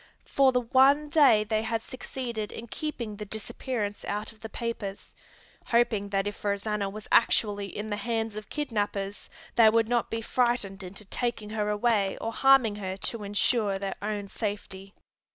For the one day they had succeeded in keeping the disappearance out of the papers, hoping that if Rosanna was actually in the hands of kidnapers they would not be frightened into taking her away or harming her to insure their own safety.